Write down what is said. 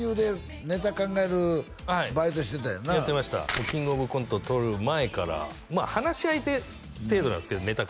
もうキングオブコント取る前からまあ話し相手程度なんですけどネタ